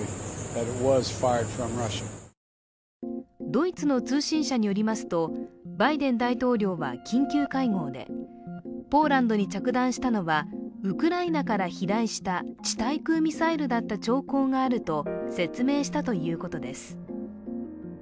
ドイツの通信社によりますとバイデン大統領は緊急会合で、ポーランドに着弾したのはウクライナから飛来した地対空ミサイルだった兆候があると説明したということです。